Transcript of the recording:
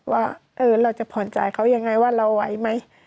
ว่าเราจะผ่อนจ่ายเขายังไงว่าเราไหวไหม